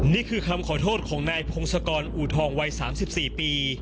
นี่คือคำขอโทษของนายพงศกรอูทองวัย๓๔ปี